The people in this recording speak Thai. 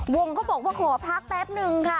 เขาบอกว่าขอพักแป๊บนึงค่ะ